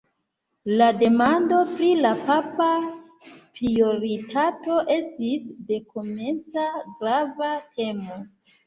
La demando pri la papa prioritato estis dekomenca grava temo.